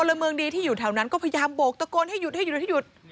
ละเมืองดีที่อยู่แถวนั้นก็พยายามโบกตะโกนให้หยุดให้หยุดให้หยุด